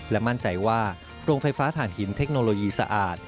และมั่นใจว่าโรงไฟฟ้าฐานหินเทคโนโลยีสะอาด